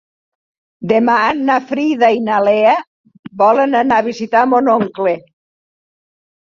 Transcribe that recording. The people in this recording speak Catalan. Demà na Frida i na Lea volen anar a visitar mon oncle.